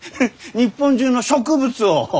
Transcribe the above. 日本中の植物を！？